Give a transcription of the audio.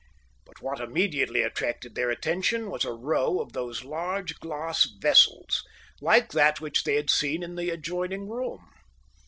But what immediately attracted their attention was a row of those large glass vessels like that which they had seen in the adjoining room.